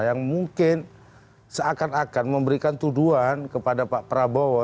yang mungkin seakan akan memberikan tuduhan kepada pak prabowo